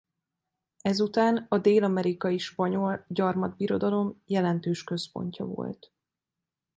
Ezután a dél-amerikai spanyol gyarmatbirodalom jelentős központja volt.